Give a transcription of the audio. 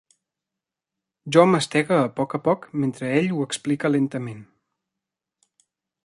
Jo mastega a poc a poc mentre ell ho explica lentament.